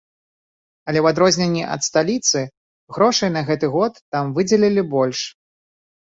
Але ў адрозненні ад сталіцы грошай на гэты год там выдзелілі больш.